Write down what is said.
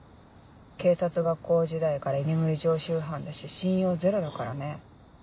警察学校時代から居眠り常習犯だし信用ゼロだからね。